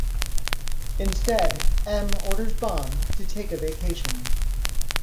Instead, M orders Bond to take a vacation.